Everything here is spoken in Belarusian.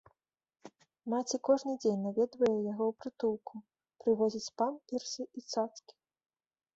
Маці кожны дзень наведвае яго ў прытулку, прывозіць памперсы і цацкі.